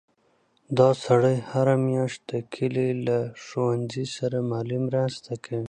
دا سړی هره میاشت د کلي له ښوونځي سره مالي مرسته کوي.